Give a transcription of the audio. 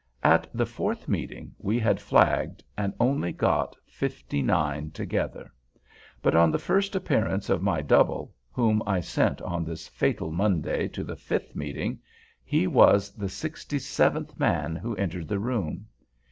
At the fourth meeting we had flagged, and only got fifty nine together. But on the first appearance of my double—whom I sent on this fatal Monday to the fifth meeting—he was the sixty seventh man who entered the room.